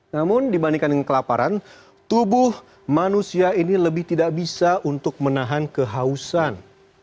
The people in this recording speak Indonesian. namun dibandingkan dengan kelaparan tubuh manusia ini lebih tidak bisa untuk menahan kehausan